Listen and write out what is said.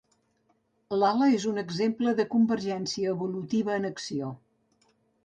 L'ala és un exemple de convergència evolutiva en acció.